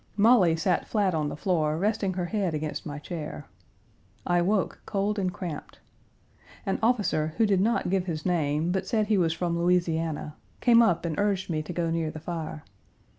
Molly sat flat on the floor, resting her head against my chair. I woke cold and cramped. An officer, who did not give his name, but said he was from Louisiana, came up and urged me to go near the fire.